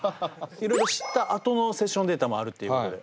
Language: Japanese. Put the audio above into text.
いろいろ知ったあとのセッションデータもあるっていうことで。